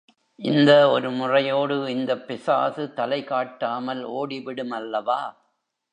இந்த ஒரு முறையோடு இந்தப் பிசாசு தலைகாட்டாமல் ஓடிவிடுமல்லவா?